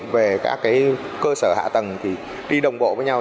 về các cái cơ sở hạ tầng thì đi đồng bộ với nhau